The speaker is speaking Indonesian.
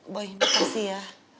boy makasih ya